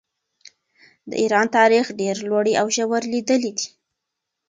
د ایران تاریخ ډېرې لوړې او ژورې لیدلې دي.